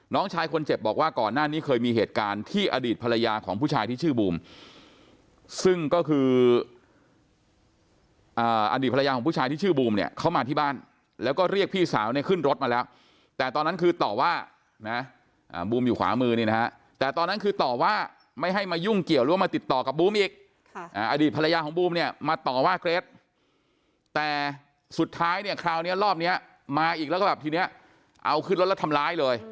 น้องชายคนเจ็บบอกว่าก่อนหน้านี่เคยมีเหตุการณ์ที่อดีตภรรยาของผู้ชายที่ชื่อบูมซึ่งก็คืออดีตภรรยาของผู้ชายที่ชื่อบูมเนี่ยเขามาที่บ้านแล้วก็เรียกพี่สาวเนี่ยขึ้นรถมาแล้วแต่ตอนนั้นคือต่อว่านะบูมอยู่ขวามือนี่นะฮะแต่ตอนนั้นคือต่อว่าไม่ให้มายุ่งเกี่ยวหรือว่ามาติดต่อกับบูมอีกอดีตภร